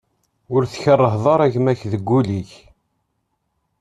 Ur tkeṛṛheḍ ara gma-k deg wul-ik.